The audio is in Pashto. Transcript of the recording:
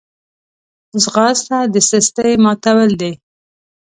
ځغاسته د سستۍ ماتول دي